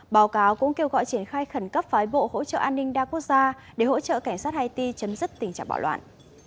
báo cáo cũng kêu gọi triển khai khẩn cấp phái bộ hỗ trợ an ninh đa quốc gia để hỗ trợ cảnh sát haiti chấm dứt tình trạng bạo loạn